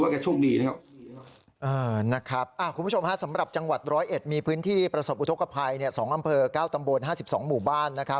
คุณผู้ชมสำหรับจังหวัด๑๐๑มีพื้นที่ประสบอุทธกภัย๒อำเภอ๙ตำบล๕๒หมู่บ้าน